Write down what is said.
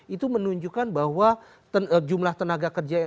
itu menunjukkan bahwa jumlah tenaga kerja